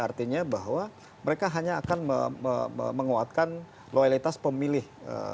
artinya bahwa mereka hanya akan menguatkan loyalitas pemilih